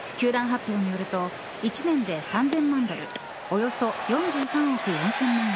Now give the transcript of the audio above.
球団発表によると１年で３０００万ドルおよそ４３億４０００万円。